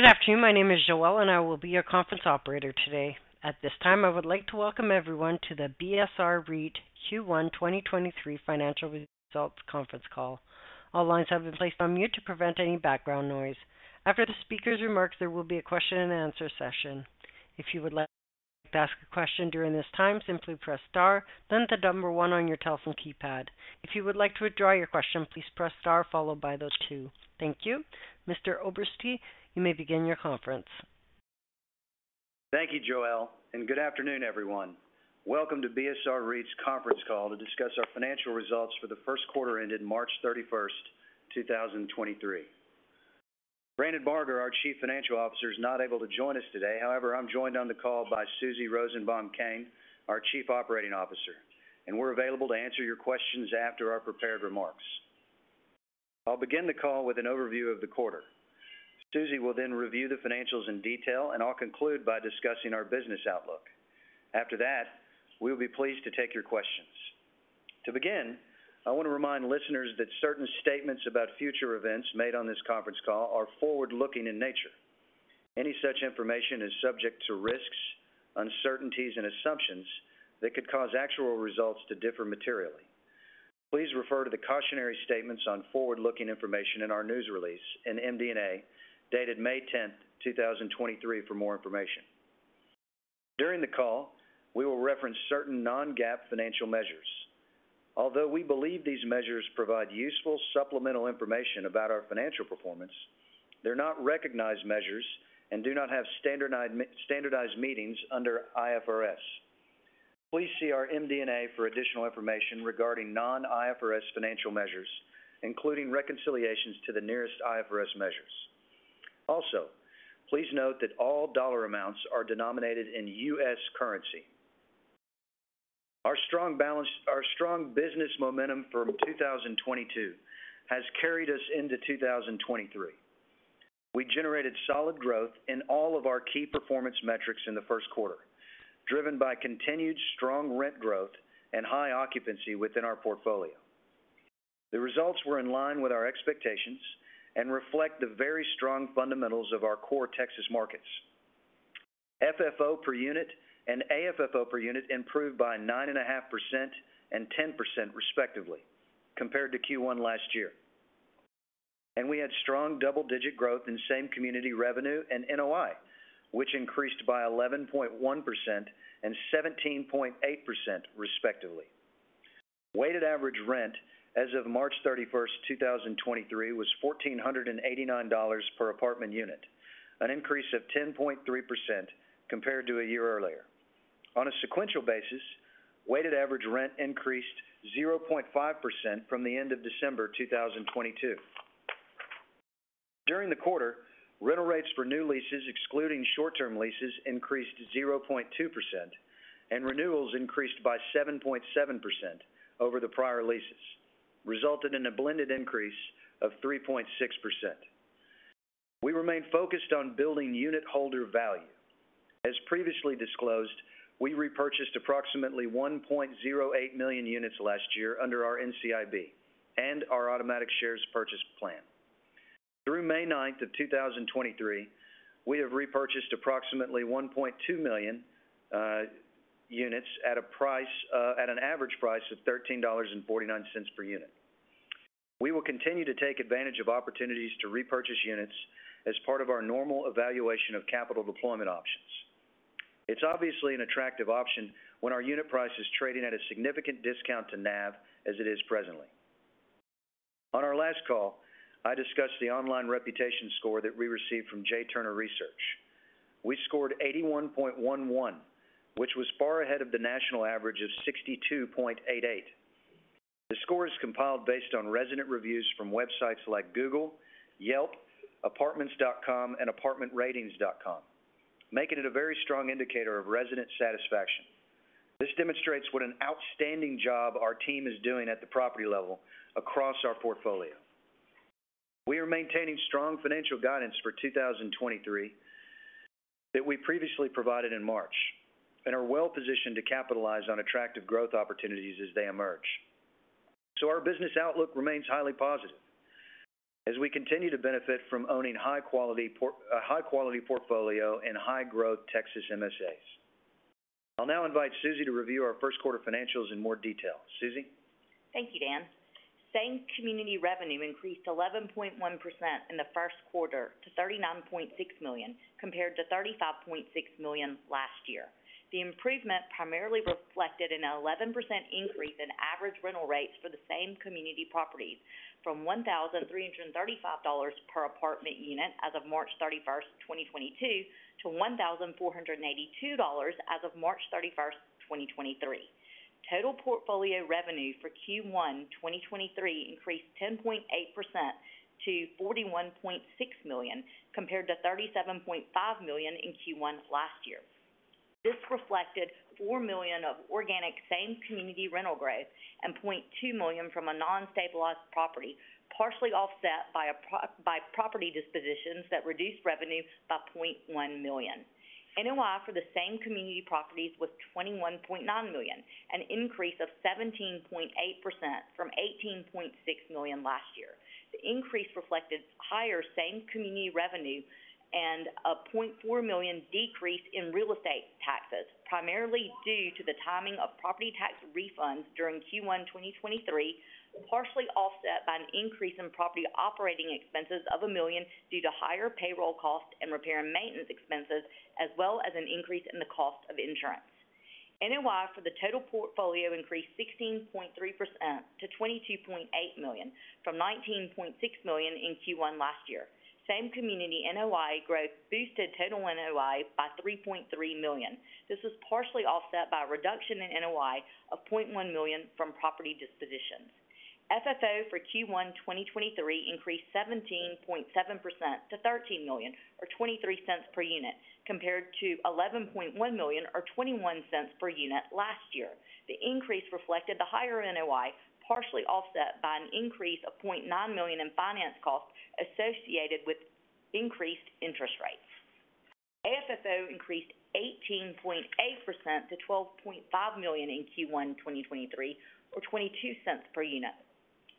Good afternoon. My name is Joelle, and I will be your conference operator today. At this time, I would like to welcome everyone to the BSR REIT Q1 2023 financial results conference call. All lines have been placed on mute to prevent any background noise. After the speaker's remarks, there will be a question and answer session. If you would like to ask a question during this time, simply press star, then the number one on your telephone keypad. If you would like to withdraw your question, please press star followed by the two. Thank you. Mr. Oberste, you may begin your conference. Thank you, Joelle. Good afternoon, everyone. Welcome to BSR REIT's conference call to discuss our financial results for the first quarter ended March 31st, 2023. Brandon Barger, our Chief Financial Officer, is not able to join us today. I'm joined on the call by Susie Rosenbaum, our Chief Operating Officer, and we're available to answer your questions after our prepared remarks. I'll begin the call with an overview of the quarter. Susie will review the financials in detail, and I'll conclude by discussing our business outlook. After that, we'll be pleased to take your questions. To begin, I want to remind listeners that certain statements about future events made on this conference call are forward-looking in nature. Any such information is subject to risks, uncertainties, and assumptions that could cause actual results to differ materially. Please refer to the cautionary statements on forward-looking information in our news release in MD&A, dated May 10, 2023 for more information. During the call, we will reference certain non-GAAP financial measures. We believe these measures provide useful supplemental information about our financial performance, they're not recognized measures and do not have standardized meetings under IFRS. Please see our MD&A for additional information regarding non-IFRS financial measures, including reconciliations to the nearest IFRS measures. Please note that all dollar amounts are denominated in U.S. currency. Our strong business momentum from 2022 has carried us into 2023. We generated solid growth in all of our key performance metrics in the first quarter, driven by continued strong rent growth and high occupancy within our portfolio. The results were in line with our expectations and reflect the very strong fundamentals of our core Texas markets. FFO per unit and AFFO per unit improved by 9.5% and 10%, respectively, compared to Q1 last year. We had strong double-digit growth in same community revenue and NOI, which increased by 11.1% and 17.8%, respectively. Weighted average rent as of March 31st, 2023 was $1,489 per apartment unit, an increase of 10.3% compared to a year earlier. On a sequential basis, weighted average rent increased 0.5% from the end of December 2022. During the quarter, rental rates for new leases, excluding short-term leases, increased 0.2%, and renewals increased by 7.7% over the prior leases, resulted in a blended increase of 3.6%. We remain focused on building unit holder value. As previously disclosed, we repurchased approximately 1.08 million units last year under our NCIB and our automatic share purchase plan. Through May 9, 2023, we have repurchased approximately 1.2 million units at an average price of $13.49 per unit. We will continue to take advantage of opportunities to repurchase units as part of our normal evaluation of capital deployment options. It's obviously an attractive option when our unit price is trading at a significant discount to NAV as it is presently. On our last call, I discussed the online reputation score that we received from J Turner Research. We scored 81.11, which was far ahead of the national average of 62.88. The score is compiled based on resident reviews from websites like Google, Yelp, Apartments.com, and ApartmentRatings.com, making it a very strong indicator of resident satisfaction. This demonstrates what an outstanding job our team is doing at the property level across our portfolio. We are maintaining strong financial guidance for 2023 that we previously provided in March and are well positioned to capitalize on attractive growth opportunities as they emerge. Our business outlook remains highly positive as we continue to benefit from owning a high quality portfolio in high growth Texas MSAs. I'll now invite Susie to review our first quarter financials in more detail. Susie? Thank you, Dan. Same community revenue increased 11.1% in the first quarter to $39.6 million, compared to $35.6 million last year. The improvement primarily reflected an 11% increase in average rental rates for the same community properties from $1,335 per apartment unit as of March 31st, 2022 to $1,482 as of March 31st, 2023. Total portfolio revenue for Q1 2023 increased 10.8% to $41.6 million, compared to $37.5 million in Q1 last year. This reflected $4 million of organic same community rental growth and $0.2 million from a non-stabilized property, partially offset by property dispositions that reduced revenue by $0.1 million. NOI for the same community properties was $21.9 million, an increase of 17.8% from $18.6 million last year. The increase reflected higher same community revenue and a $0.4 million decrease in real estate taxes, primarily due to the timing of property tax refunds during Q1 2023, partially offset by an increase in property operating expenses of $1 million due to higher payroll costs and repair and maintenance expenses, as well as an increase in the cost of insurance. NOI for the total portfolio increased 16.3% to $22.8 million from $19.6 million in Q1 last year. Same community NOI growth boosted total NOI by $3.3 million. This was partially offset by a reduction in NOI of $0.1 million from property dispositions. FFO for Q1 2023 increased 17.7% to $13 million or $0.23 per unit, compared to $11.1 million or $0.21 per unit last year. The increase reflected the higher NOI, partially offset by an increase of $0.9 million in finance costs associated with increased interest rates. AFFO increased 18.8% to $12.5 million in Q1 2023 or $0.22 per unit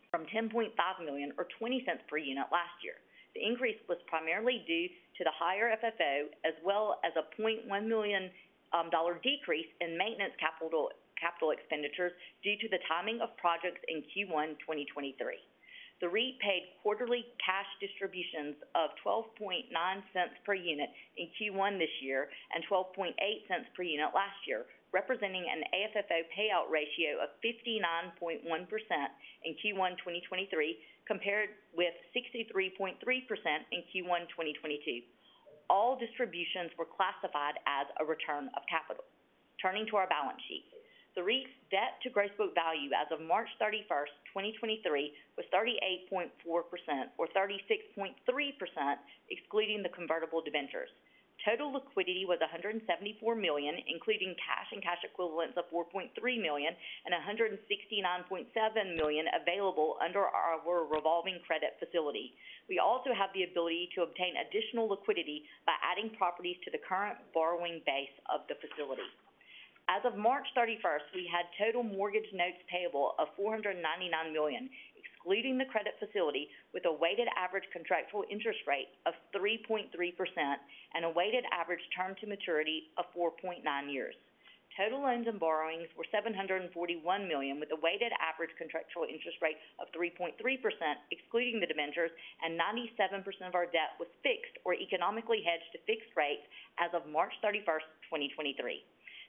from $10.5 million or $0.20 per unit last year. The increase was primarily due to the higher FFO as well as a $0.1 million dollar decrease in maintenance capital expenditures due to the timing of projects in Q1 2023. The REIT paid quarterly cash distributions of $0.129 per unit in Q1 this year and $0.128 per unit last year, representing an AFFO payout ratio of 59.1% in Q1, 2023, compared with 63.3% in Q1, 2022. All distributions were classified as a return of capital. Turning to our balance sheet. The REIT's debt to gross book value as of March 31st, 2023 was 38.4% or 36.3% excluding the convertible debentures. Total liquidity was $174 million, including cash and cash equivalents of $4.3 million and $169.7 million available under our revolving credit facility. We also have the ability to obtain additional liquidity by adding properties to the current borrowing base of the facility. As of March 31st, we had total mortgage notes payable of $499 million, excluding the credit facility with a weighted average contractual interest rate of 3.3% and a weighted average term to maturity of 4.9 years. Total loans and borrowings were $741 million, with a weighted average contractual interest rate of 3.3%, excluding the debentures, and 97% of our debt was fixed or economically hedged to fixed rate as of March 31st, 2023.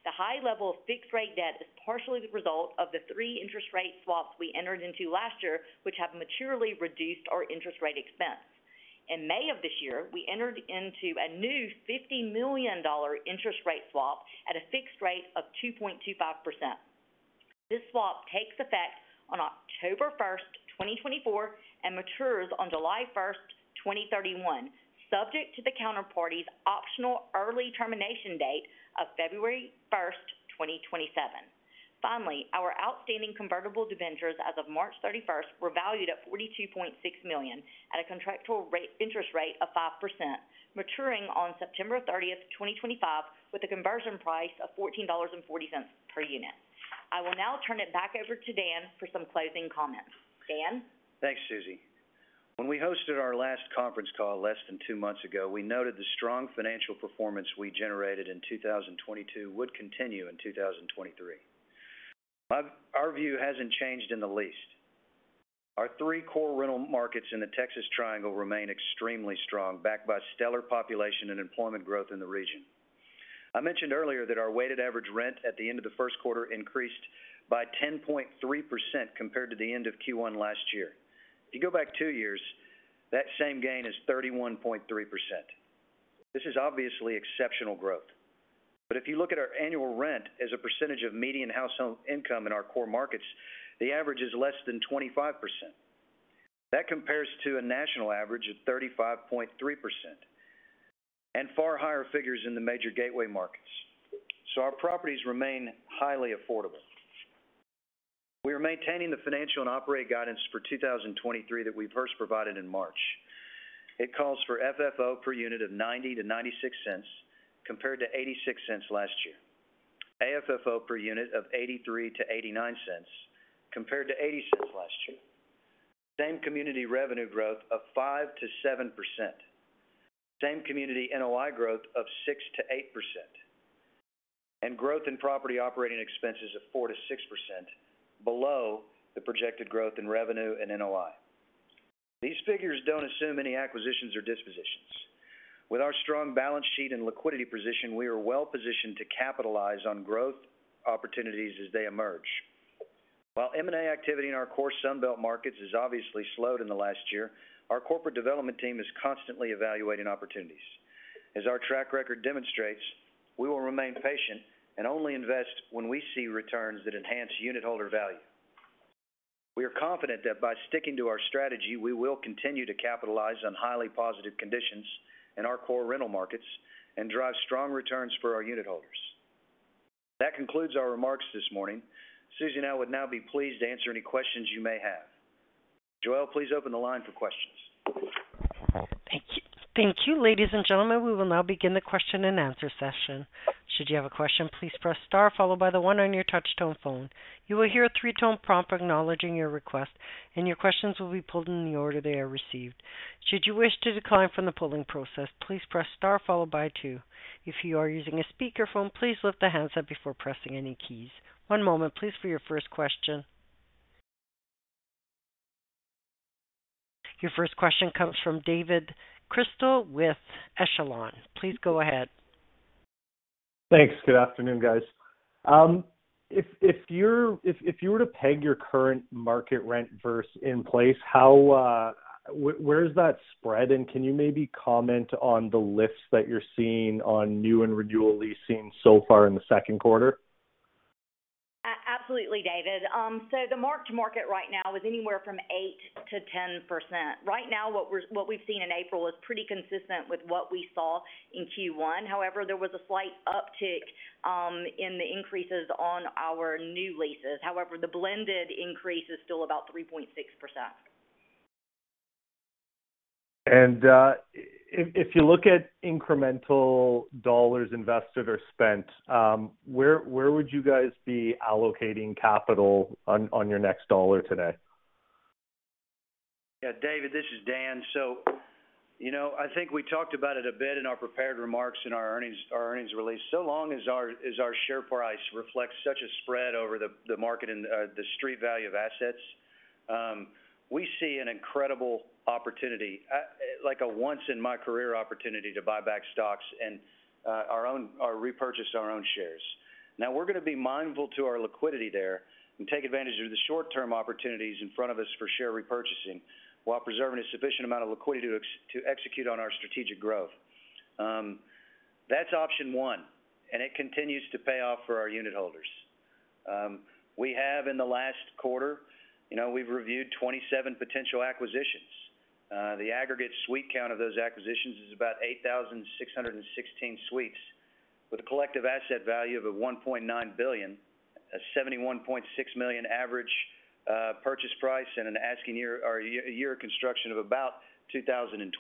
The high level of fixed rate debt is partially the result of the three interest rate swaps we entered into last year, which have materially reduced our interest rate expense. In May of this year, we entered into a new $50 million interest rate swap at a fixed rate of 2.25%. This swap takes effect on October 1st, 2024, and matures on July 1st, 2031, subject to the counterparty's optional early termination date of February 1st, 2027. Finally, our outstanding convertible debentures as of March 31st were valued at $42.6 million at a contractual interest rate of 5%, maturing on September 30th, 2025, with a conversion price of $14.40 per unit. I will now turn it back over to Dan for some closing comments. Dan? Thanks, Susie. When we hosted our last conference call less than two months ago, we noted the strong financial performance we generated in 2022 would continue in 2023. Our view hasn't changed in the least. Our three core rental markets in the Texas Triangle remain extremely strong, backed by stellar population and employment growth in the region. I mentioned earlier that our weighted average rent at the end of the first quarter increased by 10.3% compared to the end of Q1 last year. If you go back two years, that same gain is 31.3%. This is obviously exceptional growth. If you look at our annual rent as a percentage of median household income in our core markets, the average is less than 25%. That compares to a national average of 35.3%, and far higher figures in the major gateway markets. Our properties remain highly affordable. We are maintaining the financial and operate guidance for 2023 that we first provided in March. It calls for FFO per unit of $0.90-$0.96, compared to $0.86 last year. AFFO per unit of $0.83-$0.89 compared to $0.80 last year. Same community revenue growth of 5%-7%. Same community NOI growth of 6%-8%. Growth in property operating expenses of 4%-6% below the projected growth in revenue and NOI. These figures don't assume any acquisitions or dispositions. With our strong balance sheet and liquidity position, we are well positioned to capitalize on growth opportunities as they emerge. While M&A activity in our core Sunbelt markets has obviously slowed in the last year, our corporate development team is constantly evaluating opportunities. As our track record demonstrates, we will remain patient and only invest when we see returns that enhance unitholder value. We are confident that by sticking to our strategy, we will continue to capitalize on highly positive conditions in our core rental markets and drive strong returns for our unitholders. That concludes our remarks this morning. Susie and I would now be pleased to answer any questions you may have. Joelle, please open the line for questions. Thank you. Thank you, ladies and gentlemen. We will now begin the question and answer session. Should you have a question, please press star followed by one on your touch-tone phone. You will hear a three-tone prompt acknowledging your request, and your questions will be pulled in the order they are received. Should you wish to decline from the polling process, please press star followed by two. If you are using a speakerphone, please lift the handset before pressing any keys. One moment please for your first question. Your first question comes from David Chrystal with Echelon. Please go ahead. Thanks. Good afternoon, guys. If you were to peg your current market rent versus in-place, how, where is that spread? Can you maybe comment on the lifts that you're seeing on new and renewal leasing so far in the second quarter? Absolutely, David. The mark-to-market right now is anywhere from 8%-10%. Right now, what we've seen in April is pretty consistent with what we saw in Q1. There was a slight uptick in the increases on our new leases. The blended increase is still about 3.6%. If you look at incremental dollars invested or spent, where would you guys be allocating capital on your next dollar today? Yeah. David, this is Dan. You know, I think we talked about it a bit in our prepared remarks in our earnings, our earnings release. So long as our, as our share price reflects such a spread over the market and the street value of assets, we see an incredible opportunity, like a once in my career opportunity to buy back stocks and or repurchase our own shares. Now we're gonna be mindful to our liquidity there and take advantage of the short-term opportunities in front of us for share repurchasing, while preserving a sufficient amount of liquidity to execute on our strategic growth. That's option one, and it continues to pay off for our unitholders. We have in the last quarter, you know, we've reviewed 27 potential acquisitions. The aggregate suite count of those acquisitions is about 8,616 suites with a collective asset value of $1.9 billion, a $71.6 million average purchase price, and an asking year-over-year construction of about 2012.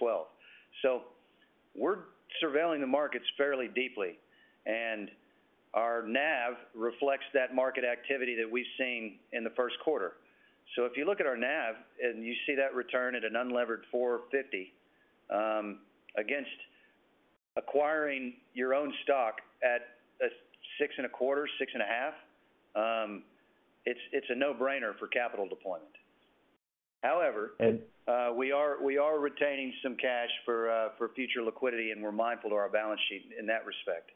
We're surveilling the markets fairly deeply. And our NAV reflects that market activity that we've seen in the first quarter. If you look at our NAV and you see that return at an unlevered 4.50%, against acquiring your own stock at a 6.25%, 6.5%, it's a no-brainer for capital deployment. And- we are retaining some cash for future liquidity, and we're mindful of our balance sheet in that respect.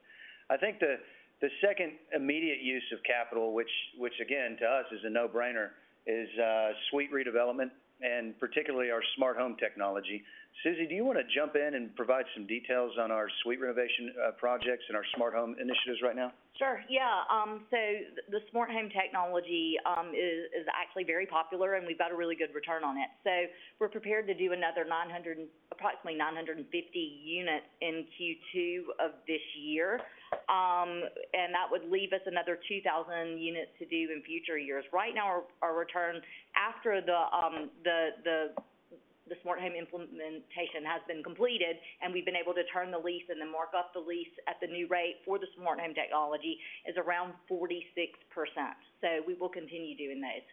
I think the second immediate use of capital which again to us is a no-brainer, is suite redevelopment and particularly our smart home technology. Susie, do you wanna jump in and provide some details on our suite renovation projects and our smart home initiatives right now? Sure, yeah. The smart home technology is actually very popular, and we've got a really good return on it. We're prepared to do another approximately 950 units in Q2 of this year. That would leave us another 2,000 units to do in future years. Right now our return after the smart home implementation has been completed, and we've been able to turn the lease and then mark up the lease at the new rate for the smart home technology is around 46%. We will continue doing those.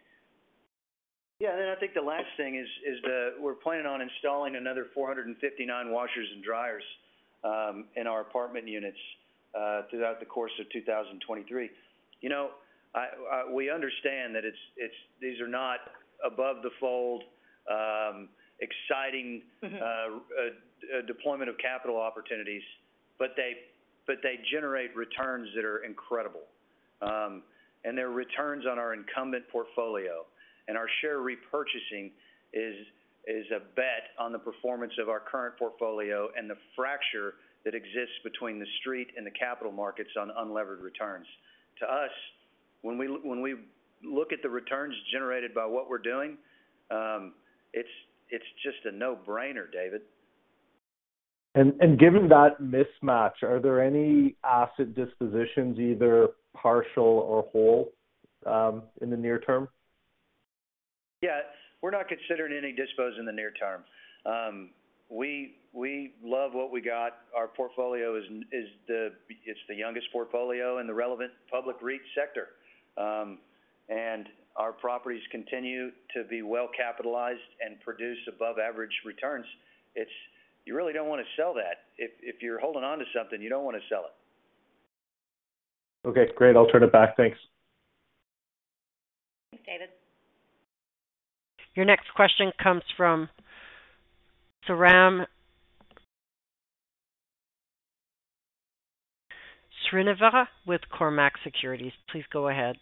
Yeah. I think the last thing is that we're planning on installing another 459 washers and dryers in our apartment units throughout the course of 2023. You know, I, we understand that these are not above the fold exciting deployment of capital opportunities. They generate returns that are incredible. Their returns on our incumbent portfolio and our share repurchasing is a bet on the performance of our current portfolio and the fracture that exists between the street and the capital markets on unlevered returns. To us, when we look at the returns generated by what we're doing, it's just a no-brainer, David. Given that mismatch, are there any asset dispositions, either partial or whole, in the near term? We're not considering any dispos in the near term. We love what we got. Our portfolio is the youngest portfolio in the relevant public REIT sector. Our properties continue to be well capitalized and produce above average returns. You really don't wanna sell that. If you're holding on to something, you don't wanna sell it. Okay, great. I'll turn it back. Thanks. Thanks, David. Your next question comes from Sairam Srinivas with Cormark Securities. Please go ahead.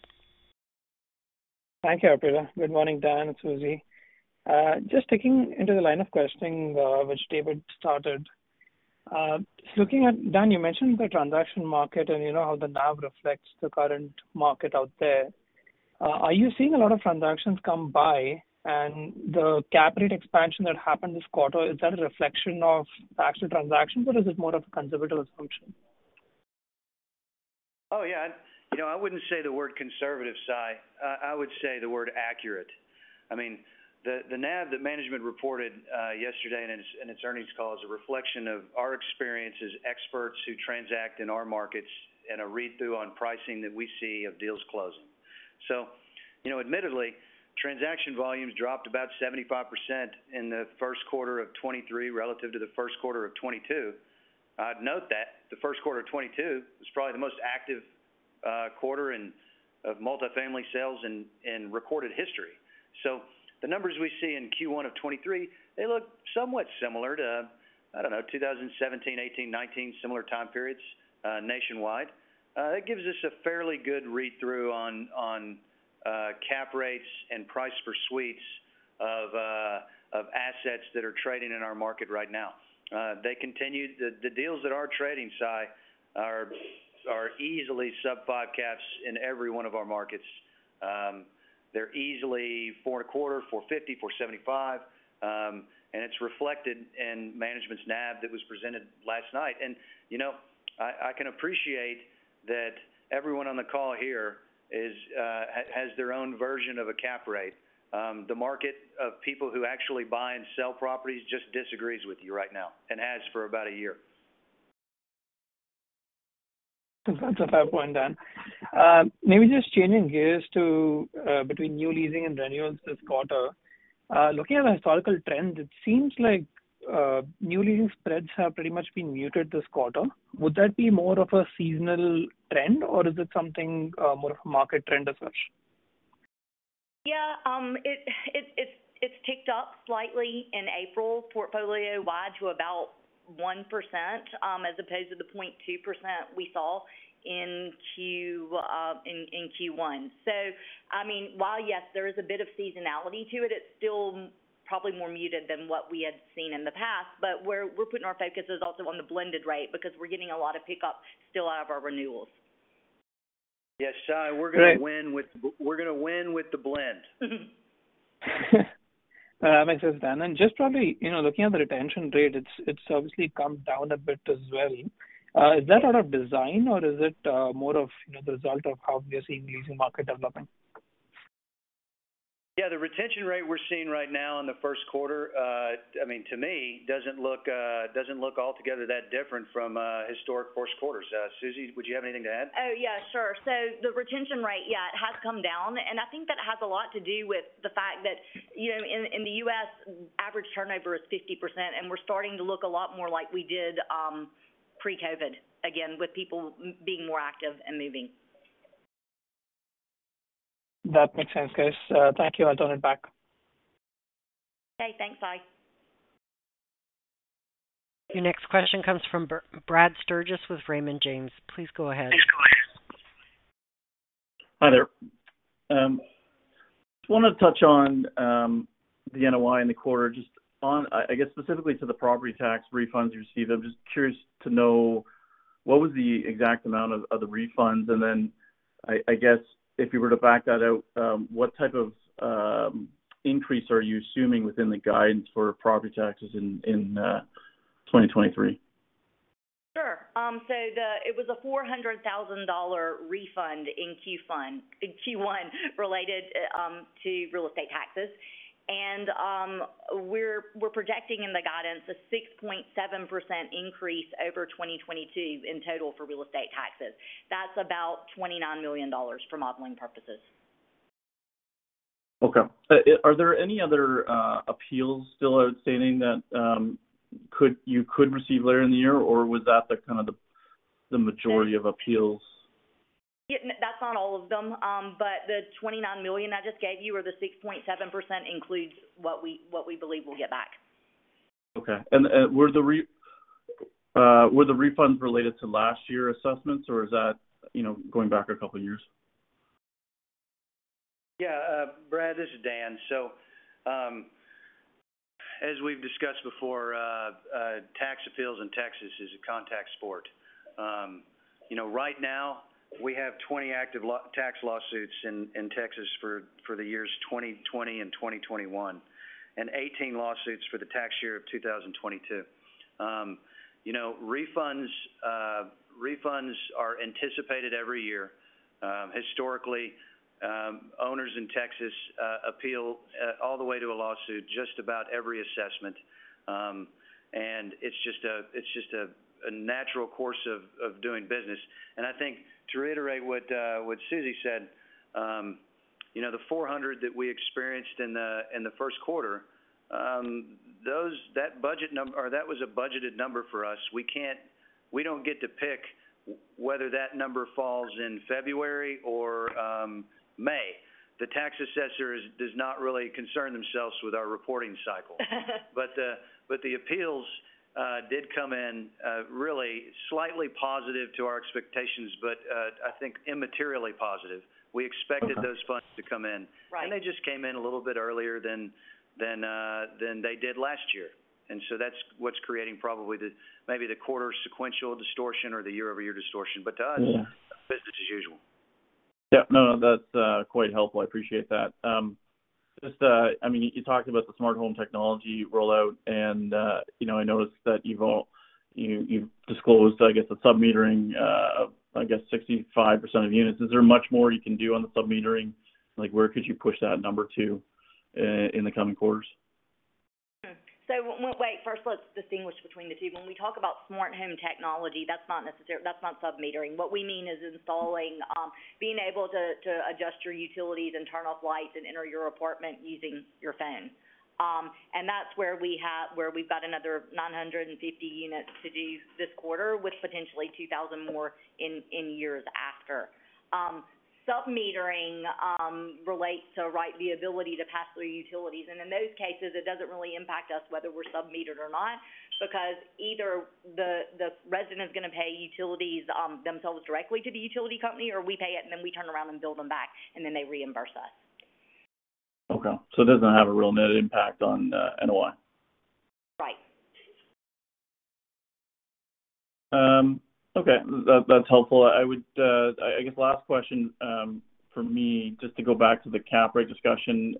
Thank you, operator. Good morning, Dan and Susie. Just digging into the line of questioning, which David started. Dan, you mentioned the transaction market, and you know how the NAV reflects the current market out there. Are you seeing a lot of transactions come by and the cap rate expansion that happened this quarter, is that a reflection of actual transactions, or is it more of a conservative assumption? Yeah. You know, I wouldn't say the word conservative, Sai. I would say the word accurate. I mean, the NAV that management reported yesterday in its earnings call is a reflection of our experience as experts who transact in our markets and a read-through on pricing that we see of deals closing. You know, admittedly, transaction volumes dropped about 75% in the first quarter of 2023 relative to the first quarter of 2022. I'd note that the first quarter of 2022 was probably the most active quarter of multifamily sales in recorded history. The numbers we see in Q1 of 2023, they look somewhat similar to, I don't know, 2017, 2018, 2019 similar time periods nationwide. That gives us a fairly good read-through on cap rates and price for suites of assets that are trading in our market right now. The deals that are trading, Sai, are easily sub five caps in every one of our markets. They're easily 4.25, 4.50, 4.75, and it's reflected in management's NAV that was presented last night. You know, I can appreciate that everyone on the call here has their own version of a cap rate. The market of people who actually buy and sell properties just disagrees with you right now and has for about a year. That's a fair point, Dan. Maybe just changing gears to between new leasing and renewals this quarter. Looking at the historical trends, it seems like new leasing spreads have pretty much been muted this quarter. Would that be more of a seasonal trend, or is it something more of a market trend as such? Yeah, it's ticked up slightly in April portfolio-wide to about 1%, as opposed to the 0.2% we saw in Q1. I mean, while, yes, there is a bit of seasonality to it's still probably more muted than what we had seen in the past. We're putting our focuses also on the blended rate because we're getting a lot of pickup still out of our renewals. Yes, Sai. Right. We're gonna win with the blend. That makes sense, Dan. Just probably, you know, looking at the retention rate, it's obviously come down a bit as well. Is that out of design, or is it, more of, you know, the result of how we are seeing leasing market developing? The retention rate we're seeing right now in the first quarter, I mean, to me, doesn't look altogether that different from historic first quarters. Susie, would you have anything to add? Yeah, sure. The retention rate, yeah, it has come down, and I think that has a lot to do with the fact that, you know, in the U.S., average turnover is 50%, and we're starting to look a lot more like we did, pre-COVID again, with people being more active and moving. That makes sense, guys. Thank you. I'll turn it back. Okay, thanks, Sai. Your next question comes from Brad Sturges with Raymond James. Please go ahead. Hi there. Just wanna touch on the NOI in the quarter, I guess specifically to the property tax refunds you received. I'm just curious to know what was the exact amount of the refunds, and then I guess if you were to back that out, what type of increase are you assuming within the guidance for property taxes in 2023? Sure. It was a $400,000 refund in Q1 related to real estate taxes. We're projecting in the guidance a 6.7% increase over 2022 in total for real estate taxes. That's about $29 million for modeling purposes. Okay. Are there any other appeals still outstanding that you could receive later in the year, or was that the kind of the majority of appeals? That's not all of them. The $29 million I just gave you or the 6.7% includes what we believe we'll get back. Okay. Were the refunds related to last year assessments, or is that, you know, going back a couple years? Brad, this is Daniel. As we've discussed before, tax appeals in Texas is a contact sport. You know, right now, we have 20 active tax lawsuits in Texas for the years 2020 and 2021, and 18 lawsuits for the tax year of 2022. You know, refunds are anticipated every year. Historically, owners in Texas appeal all the way to a lawsuit just about every assessment. It's just a natural course of doing business. I think to reiterate what Susie said, you know, the 400 that we experienced in the first quarter, that was a budgeted number for us. We don't get to pick whether that number falls in February or May. The tax assessor does not really concern themselves with our reporting cycle. The appeals did come in really slightly positive to our expectations, but I think immaterially positive. Okay. We expected those funds to come in. Right. They just came in a little bit earlier than they did last year. That's what's creating probably the, maybe the quarter sequential distortion or the year-over-year distortion. Yeah business as usual. Yeah. No, no, that's quite helpful. I appreciate that. Just, I mean, you talked about the smart home technology rollout and, you know, I noticed that you've disclosed, I guess, the sub-metering of, I guess 65% of units. Is there much more you can do on the sub-metering? Like, where could you push that number to in the coming quarters? First let's distinguish between the two. When we talk about smart home technology, that's not sub-metering. What we mean is installing, being able to adjust your utilities and turn off lights and enter your apartment using your phone. That's where we've got another 950 units to do this quarter with potentially 2,000 more in years after. Sub-metering relates to, right, the ability to pass through utilities. In those cases, it doesn't really impact us whether we're sub-metered or not, because either the resident is gonna pay utilities themselves directly to the utility company, or we pay it, and then we turn around and bill them back, and then they reimburse us. Okay. It doesn't have a real net impact on NOI. Right. Okay. That's helpful. I would, I guess, last question from me, just to go back to the cap rate discussion.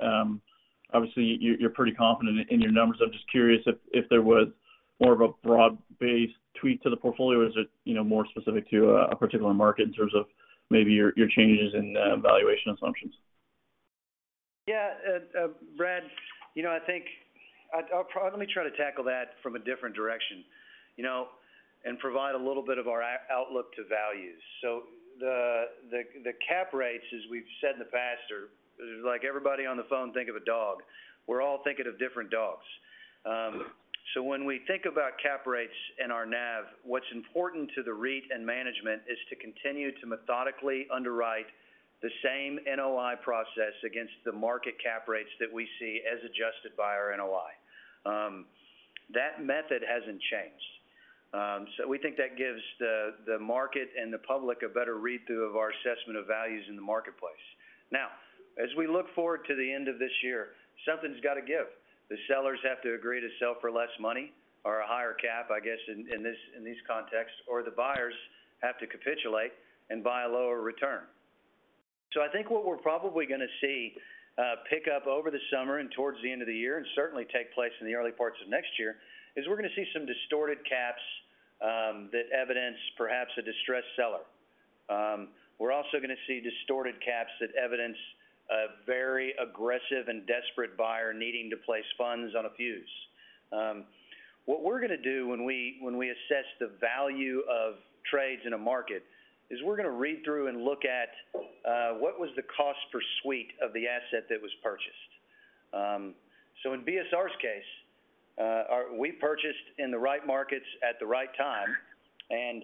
Obviously, you're pretty confident in your numbers. I'm just curious if there was more of a broad-based tweak to the portfolio, or is it, you know, more specific to a particular market in terms of maybe your changes in valuation assumptions? Yeah. Brad, you know, let me try to tackle that from a different direction, you know, and provide a little bit of our out-outlook to values. The cap rates, as we've said in the past, are like everybody on the phone think of a dog. We're all thinking of different dogs. When we think about cap rates and our NAV, what's important to the REIT and management is to continue to methodically underwrite the same NOI process against the market cap rates that we see as adjusted by our NOI. That method hasn't changed. We think that gives the market and the public a better read-through of our assessment of values in the marketplace. As we look forward to the end of this year, something's got to give. The sellers have to agree to sell for less money or a higher cap, I guess, in these contexts, or the buyers have to capitulate and buy a lower return. I think what we're probably gonna see pick up over the summer and towards the end of the year, and certainly take place in the early parts of next year, is we're gonna see some distorted caps that evidence perhaps a distressed seller. We're also gonna see distorted caps that evidence a very aggressive and desperate buyer needing to place funds on a fuse. What we're gonna do when we assess the value of trades in a market is we're gonna read through and look at what was the cost per suite of the asset that was purchased. In BSR's case, we purchased in the right markets at the right time, and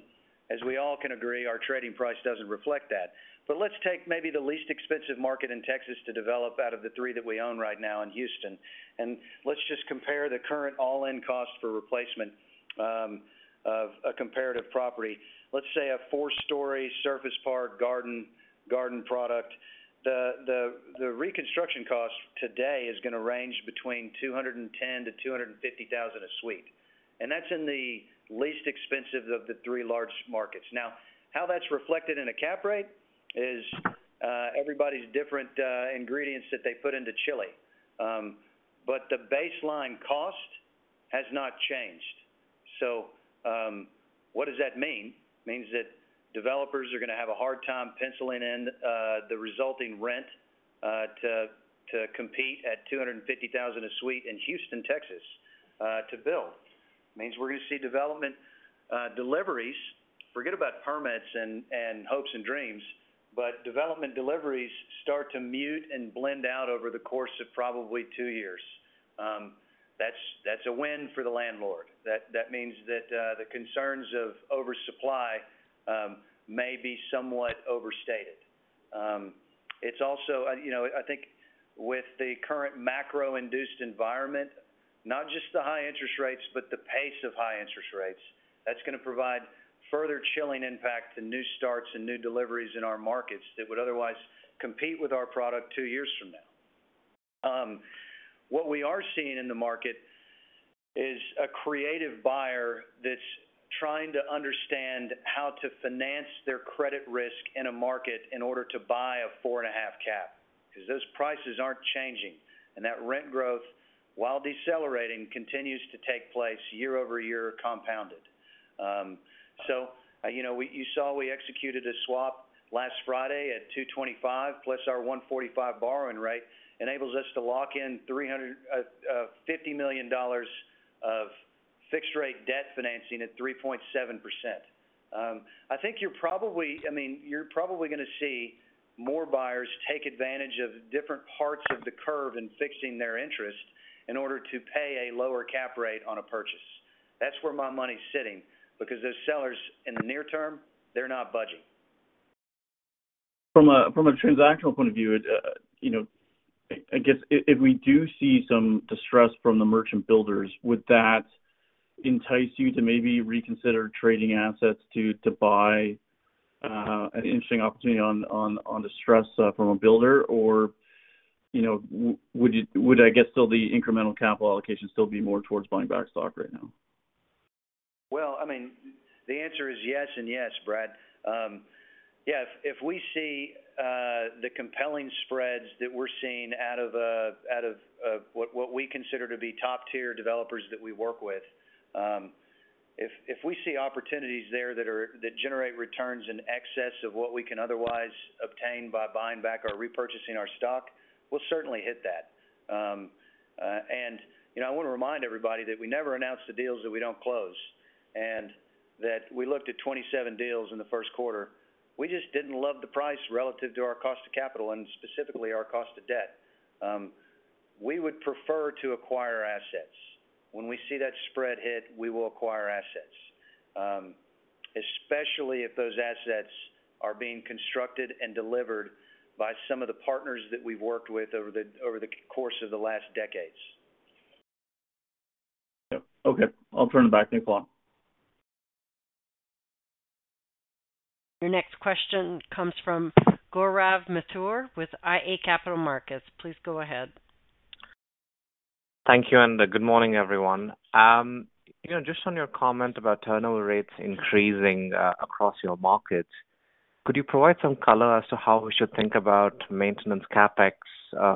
as we all can agree, our trading price doesn't reflect that. Let's take maybe the least expensive market in Texas to develop out of the three that we own right now in Houston. Let's just compare the current all-in cost for replacement of a comparative property. Let's say a four-story surface park garden product. The reconstruction cost today is gonna range between $210,000-$250,000 a suite. That's in the least expensive of the three large markets. How that's reflected in a cap rate is everybody's different ingredients that they put into chili. The baseline cost has not changed. What does that mean? It means that developers are gonna have a hard time penciling in the resulting rent to compete at $250,000 a suite in Houston, Texas, to build. It means we're gonna see development deliveries. Forget about permits and hopes and dreams, development deliveries start to mute and blend out over the course of probably two years. That's a win for the landlord. That means that the concerns of oversupply may be somewhat overstated. It's also. You know, I think with the current macro-induced environment, not just the high interest rates, but the pace of high interest rates, that's gonna provide further chilling impact to new starts and new deliveries in our markets that would otherwise compete with our product two years from now. What we are seeing in the market is a creative buyer that's trying to understand how to finance their credit risk in a market in order to buy a 4.5 cap, because those prices aren't changing, and that rent growth, while decelerating, continues to take place year-over-year compounded. You know, you saw we executed a swap last Friday at 2.25+ our 1.45 borrowing rate, enables us to lock in $350 million of fixed rate debt financing at 3.7%. I mean, you're probably gonna see more buyers take advantage of different parts of the curve in fixing their interest in order to pay a lower cap rate on a purchase. That's where my money's sitting, because those sellers in the near term, they're not budging. From a transactional point of view, you know, I guess if we do see some distress from the merchant builders, would that entice you to maybe reconsider trading assets to buy an interesting opportunity on distress from a builder? Or, you know, would, I guess, still the incremental capital allocation still be more towards buying back stock right now? Well, I mean, the answer is yes and yes, Brad. Yes. If we see the compelling spreads that we're seeing out of what we consider to be top-tier developers that we work with, if we see opportunities there that generate returns in excess of what we can otherwise obtain by buying back or repurchasing our stock, we'll certainly hit that. You know, I wanna remind everybody that we never announce the deals that we don't close, and that we looked at 27 deals in the first quarter. We just didn't love the price relative to our cost of capital and specifically our cost of debt. We would prefer to acquire assets. When we see that spread hit, we will acquire assets, especially if those assets are being constructed and delivered by some of the partners that we've worked with over the course of the last decades. Yep. Okay, I'll turn it back. Thank you all. Your next question comes from Gaurav Mathur with iA Capital Markets. Please go ahead. Thank you. Good morning, everyone. You know, just on your comment about turnover rates increasing, across your markets, could you provide some color as to how we should think about maintenance CapEx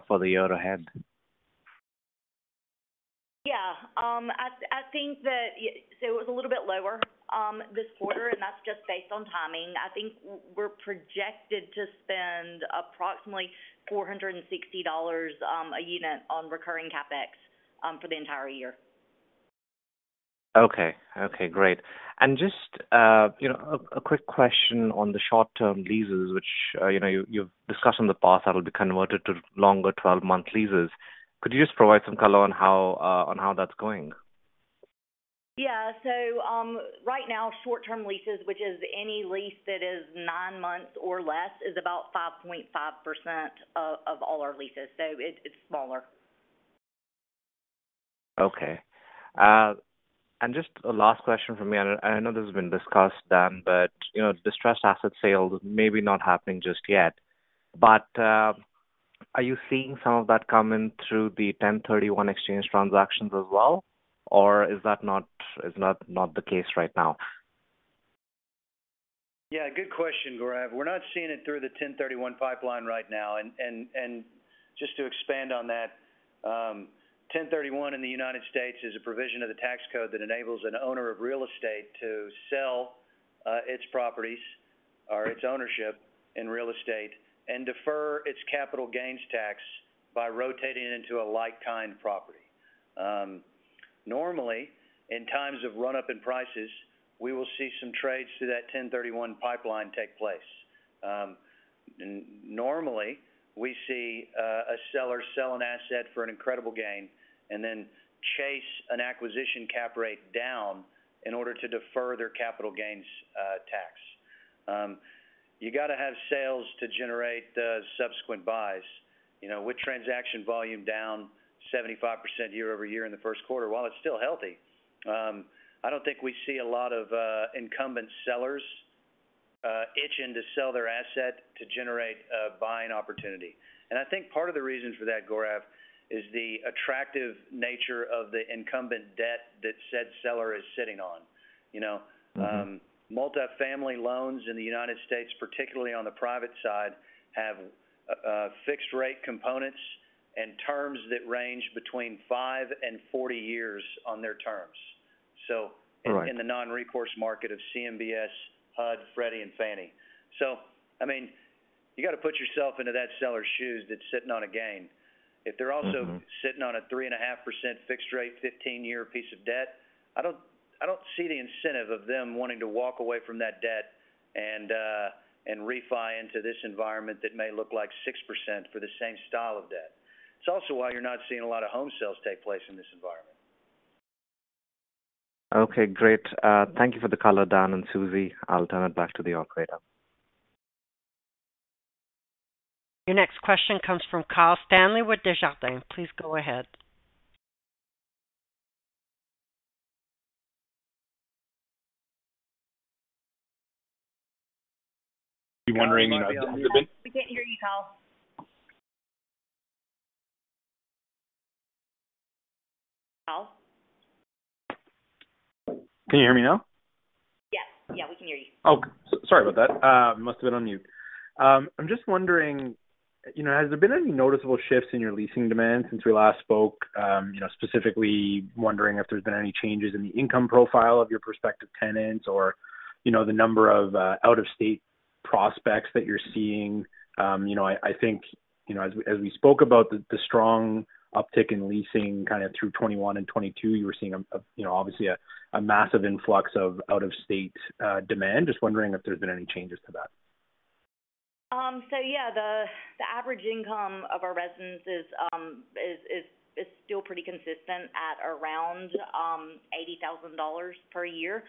for the year ahead? Yeah. It was a little bit lower this quarter, and that's just based on timing. I think we're projected to spend approximately $460 a unit on recurring CapEx for the entire year. Okay. Okay, great. Just, you know, a quick question on the short-term leases, which, you know, you've discussed in the past that'll be converted to longer 12-month leases. Could you just provide some color on how that's going? Yeah. Right now, short-term leases, which is any lease that is nine months or less, is about 5.5% of all our leases, so it's smaller. Okay. Just a last question from me. I know this has been discussed, Dan, but, you know, distressed asset sales may be not happening just yet, but, are you seeing some of that coming through the Section 1031 exchange transactions as well, or is that not the case right now? Yeah, good question, Gaurav. We're not seeing it through the Section 1031 pipeline right now. Just to expand on that, Section 1031 in the United States is a provision of the tax code that enables an owner of real estate to sell its properties or its ownership in real estate and defer its capital gains tax by rotating it into a like-kind property. Normally, in times of run-up in prices, we will see some trades through that Section 1031 pipeline take place. Normally, we see a seller sell an asset for an incredible gain and then chase an acquisition cap rate down in order to defer their capital gains tax. You gotta have sales to generate subsequent buys. You know, with transaction volume down 75% year-over-year in the first quarter, while it's still healthy, I don't think we see a lot of incumbent sellers itching to sell their asset to generate a buying opportunity. I think part of the reason for that, Gaurav, is the attractive nature of the incumbent debt that said seller is sitting on. Multifamily loans in the United States, particularly on the private side, have fixed rate components and terms that range between five and 40 years on their terms. Right. In the non-recourse market of CMBS, HUD, Freddie and Fannie. I mean, you gotta put yourself into that seller's shoes that's sitting on a gain. If they're also sitting on a 3.5% fixed rate, 15-year piece of debt, I don't see the incentive of them wanting to walk away from that debt and refi into this environment that may look like 6% for the same style of debt. It's also why you're not seeing a lot of home sales take place in this environment. Okay, great. Thank you for the color, Dan and Susie. I'll turn it back to the operator. Your next question comes from Kyle Stanley with Desjardins. Please go ahead. Be wondering, you know, has there been- We can't hear you, Kyle. Kyle? Can you hear me now? Yes. Yeah, we can hear you. Sorry about that. Must have been on mute. I'm just wondering, you know, has there been any noticeable shifts in your leasing demand since we last spoke? You know, specifically wondering if there's been any changes in the income profile of your prospective tenants or, you know, the number of out-of-state prospects that you're seeing. You know, I think, you know, as we spoke about the strong uptick in leasing kind of through 2021 and 2022, you were seeing, you know, obviously a massive influx of out-of-state demand. Just wondering if there's been any changes to that? Yeah, the average income of our residents is still pretty consistent at around $80,000 per year.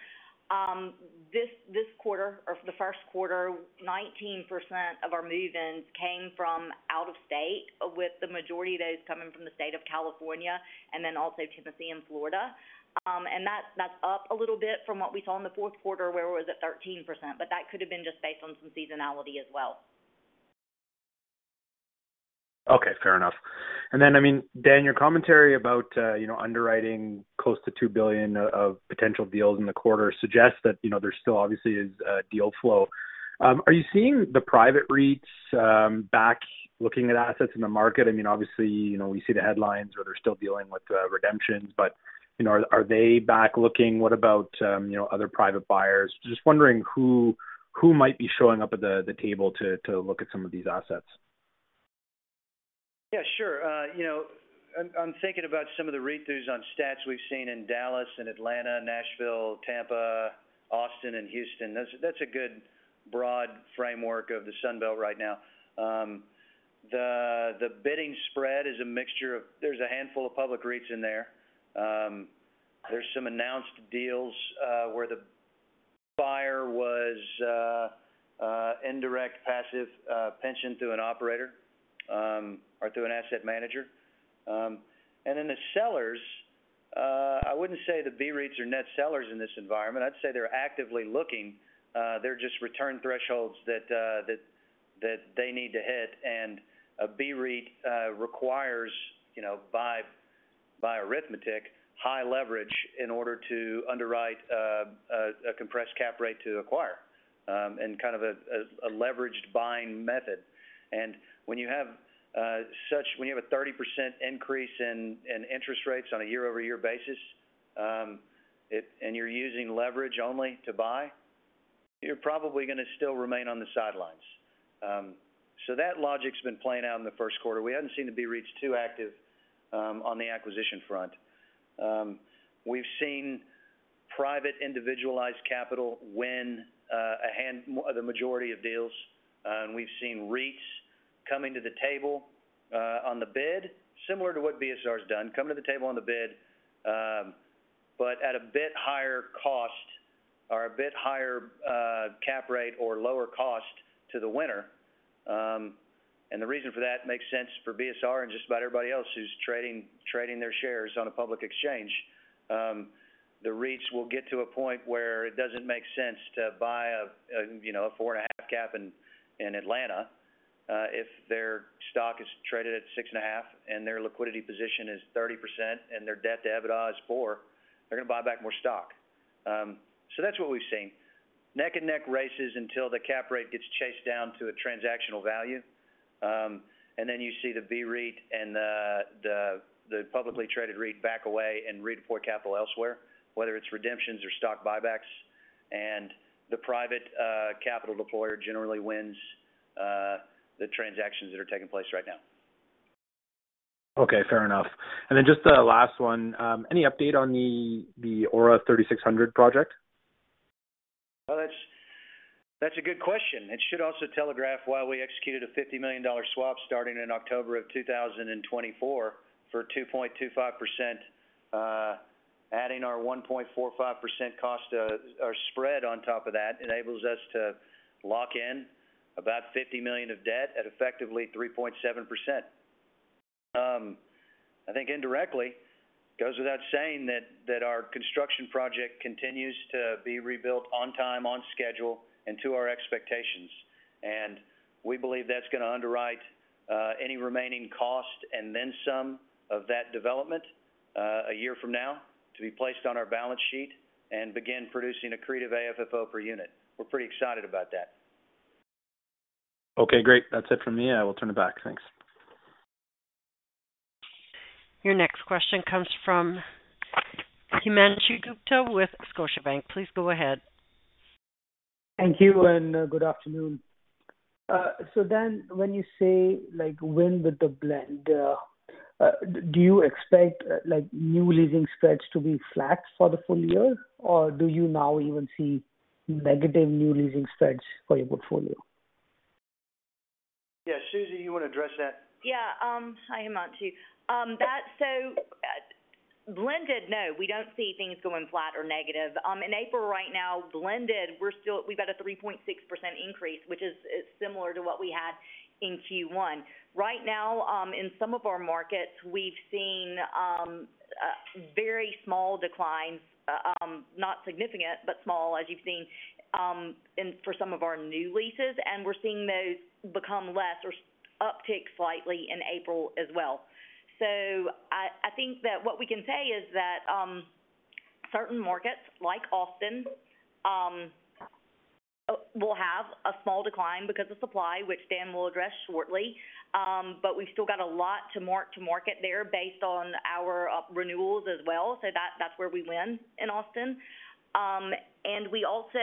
This quarter or for the first quarter, 19% of our move-ins came from out of state, with the majority of those coming from the state of California and then also Tennessee and Florida. That's up a little bit from what we saw in the fourth quarter, where we're at 13%, but that could have been just based on some seasonality as well. Okay, fair enough. I mean, Dan, your commentary about, you know, underwriting close to $2 billion of potential deals in the quarter suggests that, you know, there still obviously is deal flow. Are you seeing the private REITs back looking at assets in the market? I mean, obviously, you know, we see the headlines where they're still dealing with redemptions, but, you know, are they back looking? What about, you know, other private buyers? Just wondering who might be showing up at the table to look at some of these assets. Yeah, sure. you know, I'm thinking about some of the REITs whose on stats we've seen in Dallas and Atlanta, Nashville, Tampa, Austin and Houston. That's a good broad framework of the Sunbelt right now. The, the bidding spread is a mixture of. There's a handful of public REITs in there. There's some announced deals where the buyer was indirect passive pension through an operator or through an asset manager. The sellers, I wouldn't say the B REITs are net sellers in this environment. I'd say they're actively looking. There are just return thresholds that they need to hit. A B REIT requires, you know, by arithmetic, high leverage in order to underwrite a compressed cap rate to acquire and kind of a leveraged buying method. When you have a 30% increase in interest rates on a year-over-year basis, and you're using leverage only to buy, you're probably gonna still remain on the sidelines. That logic's been playing out in the first quarter. We haven't seen the B REITs too active on the acquisition front. We've seen private individualized capital win the majority of deals, and we've seen REITs coming to the table on the bid, similar to what BSR's done, come to the table on the bid, but at a bit higher cost or a bit higher cap rate or lower cost to the winner. The reason for that makes sense for BSR and just about everybody else who's trading their shares on a public exchange. The REITs will get to a point where it doesn't make sense to buy, you know, a 4.5 cap in Atlanta, if their stock is traded at 6.5 and their liquidity position is 30% and their debt to EBITDA is 4, they're gonna buy back more stock. That's what we've seen. Neck-and-neck races until the cap rate gets chased down to a transactional value. Then you see the B REIT and the publicly traded REIT back away and redeploy capital elsewhere, whether it's redemptions or stock buybacks. The private capital deployer generally wins the transactions that are taking place right now. Okay, fair enough. Just a last one. Any update on the Aura 36Hundred project? Well, that's a good question. It should also telegraph why we executed a $50 million swap starting in October of 2024 for 2.25%, adding our 1.45% cost or spread on top of that, enables us to lock in about $50 million of debt at effectively 3.7%. I think indirectly, goes without saying that our construction project continues to be rebuilt on time, on schedule, and to our expectations. We believe that's gonna underwrite any remaining cost and then some of that development a year from now to be placed on our balance sheet and begin producing accretive AFFO per unit. We're pretty excited about that. Okay, great. That's it from me. I will turn it back. Thanks. Your next question comes from Himanshu Gupta with Scotiabank. Please go ahead. Thank you. Good afternoon. Dan, when you say like win with the blend, do you expect, like, new leasing spreads to be flat for the full year? Or do you now even see negative new leasing spreads for your portfolio? Yeah. Susie, you wanna address that? Yeah. Hi Himanshu. That's so, blended, no, we don't see things going flat or negative. In April right now, blended, we've got a 3.6% increase, which is similar to what we had in Q1. Right now, in some of our markets, we've seen very small declines, not significant, but small as you've seen for some of our new leases, and we're seeing those become less or uptick slightly in April as well. I think that what we can say is that certain markets like Austin will have a small decline because of supply, which Dan will address shortly. We've still got a lot to market there based on our renewals as well. That's where we win in Austin. We also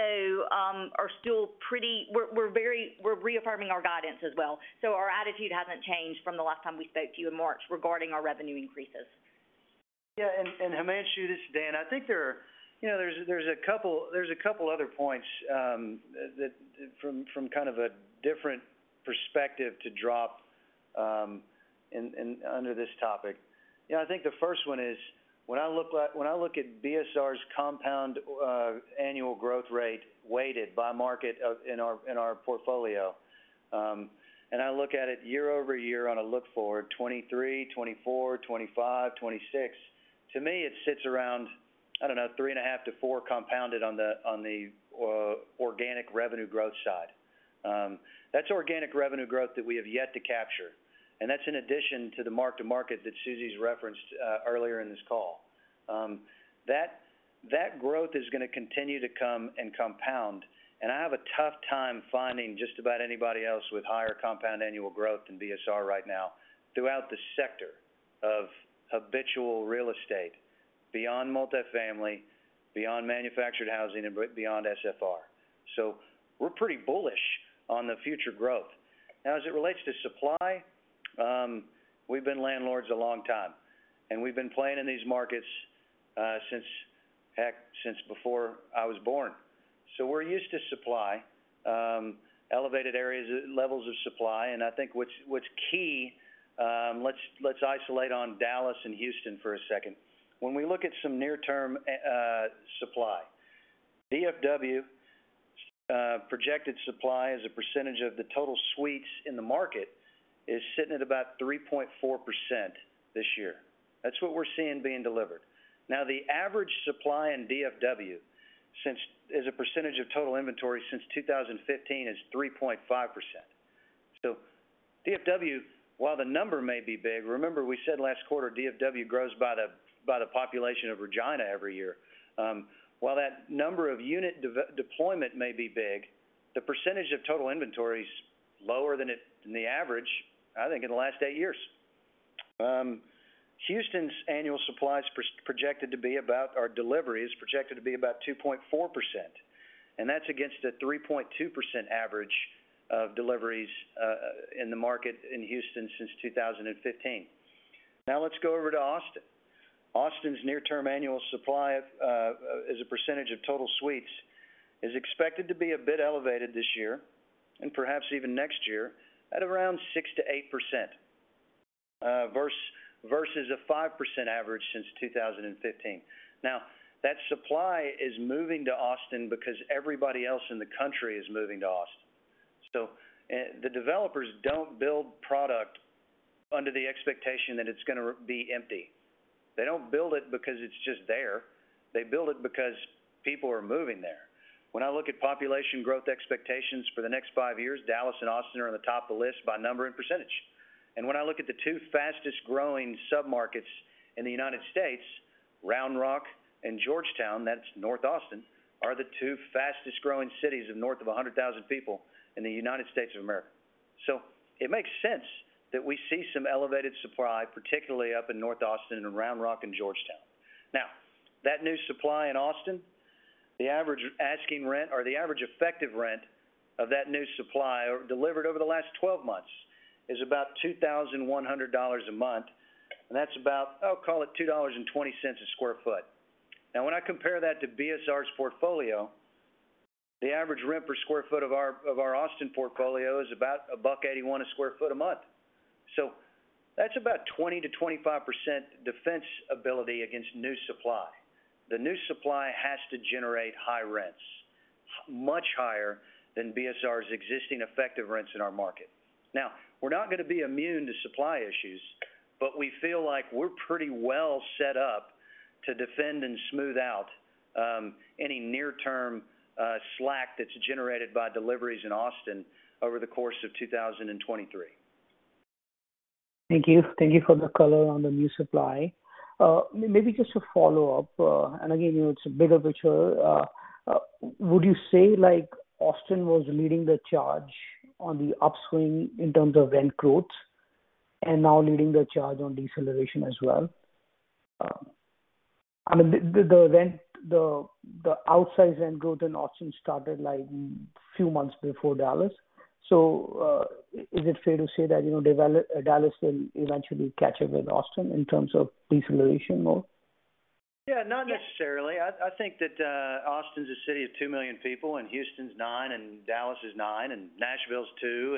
are still reaffirming our guidance as well. Our attitude hasn't changed from the last time we spoke to you in March regarding our revenue increases. Yeah. Himanshu, this is Dan. I think, you know, there's a couple other points that from kind of a different perspective to drop in under this topic. You know, I think the first one is when I look at, when I look at BSR's compound annual growth rate weighted by market in our portfolio, I look at it year-over-year on a look forward, 2023, 2024, 2025, 2026. To me, it sits around, I don't know, 3.5%-4% compounded on the organic revenue growth side. That's organic revenue growth that we have yet to capture, and that's in addition to the mark-to-market that Susie's referenced earlier in this call. That growth is gonna continue to come and compound. I have a tough time finding just about anybody else with higher compound annual growth than BSR right now throughout the sector of habitual real estate, beyond multifamily, beyond manufactured housing, and beyond SFR. We're pretty bullish on the future growth. Now, as it relates to supply, we've been landlords a long time. We've been playing in these markets since, heck, since before I was born. We're used to supply, elevated areas, levels of supply. I think what's key, let's isolate on Dallas and Houston for a second. When we look at some near-term supply, DFW projected supply as a percentage of the total suites in the market is sitting at about 3.4% this year. That's what we're seeing being delivered. The average supply in DFW as a percentage of total inventory since 2015 is 3.5%. DFW, while the number may be big, remember we said last quarter, DFW grows by the population of Regina every year. While that number of unit deployment may be big, the percentage of total inventory is lower than the average, I think, in the last eight years. Houston's annual supply is projected to be about 2.4%, and that's against a 3.2% average of deliveries in the market in Houston since 2015. Let's go over to Austin. Austin's near-term annual supply, as a percentage of total suites, is expected to be a bit elevated this year and perhaps even next year at around 6%-8%, versus a 5% average since 2015. That supply is moving to Austin because everybody else in the country is moving to Austin. The developers don't build product under the expectation that it's gonna be empty. They don't build it because it's just there. They build it because people are moving there. When I look at population growth expectations for the next five years, Dallas and Austin are on the top of the list by number and percentage. When I look at the two fastest-growing submarkets in the United States, Round Rock and Georgetown, that's North Austin, are the two fastest growing cities of north of 100,000 people in the United States of America. It makes sense that we see some elevated supply, particularly up in North Austin and Round Rock and Georgetown. That new supply in Austin, the average asking rent or the average effective rent of that new supply delivered over the last 12 months is about $2,100 a month. That's about, I'll call it $2.20 a sq ft. When I compare that to BSR's portfolio, the average rent per square foot of our Austin portfolio is about $1.81 a sq ft a month. That's about 20%-25% defense ability against new supply. The new supply has to generate high rents, much higher than BSR's existing effective rents in our market. We're not gonna be immune to supply issues, but we feel like we're pretty well set up to defend and smooth out, any near-term slack that's generated by deliveries in Austin over the course of 2023. Thank you. Thank you for the color on the new supply. Maybe just a follow-up. Again, you know, it's a bigger picture. Would you say like Austin was leading the charge on the upswing in terms of rent growth and now leading the charge on deceleration as well? I mean the outsize rent growth in Austin started like few months before Dallas. Is it fair to say that, you know, Dallas will eventually catch up with Austin in terms of deceleration mode? Yeah, not necessarily. I think that Austin's a city of 2 million people, and Houston's 9, and Dallas is 9, and Nashville's 2.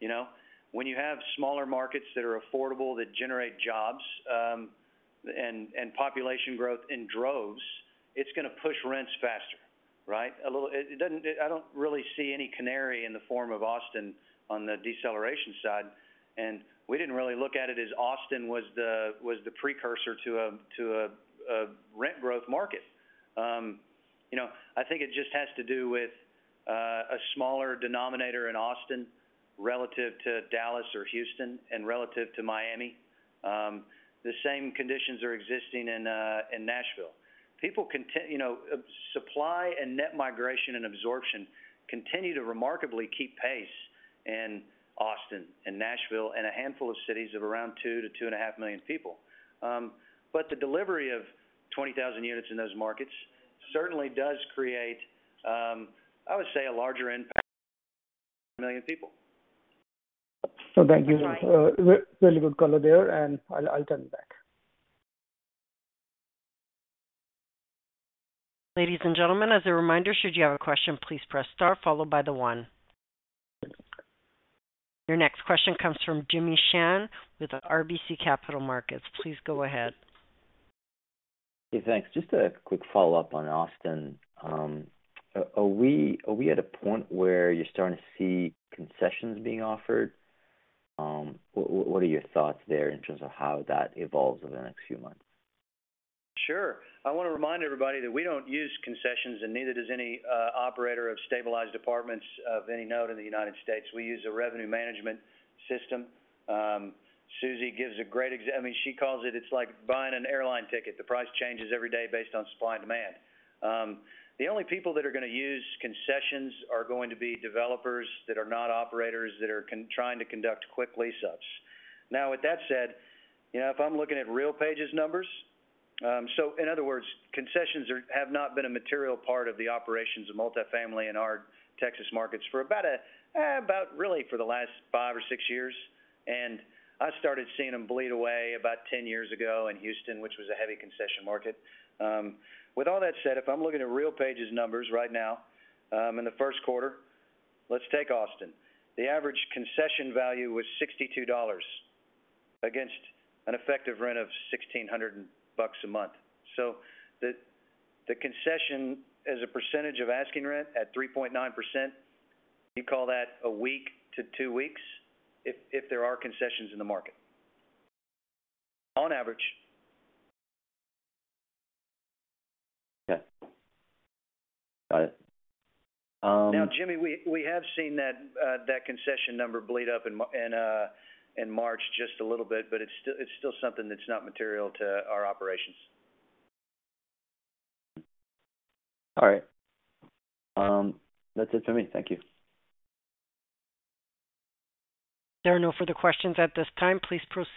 You know, when you have smaller markets that are affordable, that generate jobs, and population growth in droves, it's gonna push rents faster, right? I don't really see any canary in the form of Austin on the deceleration side. We didn't really look at it as Austin was the, was the precursor to a, to a rent growth market. You know, I think it just has to do with a smaller denominator in Austin relative to Dallas or Houston and relative to Miami. The same conditions are existing in Nashville. People you know, supply and net migration and absorption continue to remarkably keep pace in Austin and Nashville and a handful of cities of around 2 million-2.5 million people. The delivery of 20,000 units in those markets certainly does create, I would say, a larger impact on 1 million people. Thank you. really good color there, and I'll come back. Ladies and gentlemen, as a reminder, should you have a question, please press star followed by the one. Your next question comes from Jimmy Shan with RBC Capital Markets. Please go ahead. Hey, thanks. Just a quick follow-up on Austin. Are we at a point where you're starting to see concessions being offered? What are your thoughts there in terms of how that evolves over the next few months? Sure. I wanna remind everybody that we don't use concessions, and neither does any operator of stabilized apartments of any note in the United States. We use a revenue management system. Susie gives a great I mean, she calls it's like buying an airline ticket. The price changes every day based on supply and demand. The only people that are gonna use concessions are going to be developers that are not operators that are trying to conduct quick lease-ups. Now, with that said, you know, if I'm looking at RealPage numbers, In other words, concessions are, have not been a material part of the operations of multifamily in our Texas markets for about a about really for the last five or six years. I started seeing them bleed away about 10 years ago in Houston, which was a heavy concession market. With all that said, if I'm looking at RealPage numbers right now, in the first quarter, let's take Austin. The average concession value was $62 against an effective rent of $1,600 a month. The concession as a percentage of asking rent at 3.9%, you call that a week to two weeks if there are concessions in the market. On average. Okay. Got it. Jimmy, we have seen that concession number bleed up in March just a little bit, but it's still something that's not material to our operations. All right. That's it for me. Thank you. There are no further questions at this time. Please proceed.